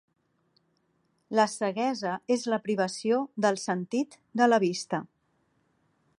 La ceguesa és la privació del sentit de la vista.